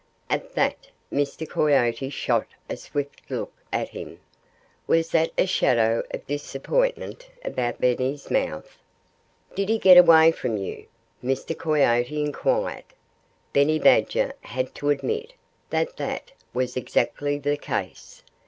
At that Mr. Coyote shot a swift look at him. Was that a shadow of disappointment about Benny's mouth? "Did he get away from you?" Mr. Coyote inquired. Benny Badger had to admit that that was exactly the case.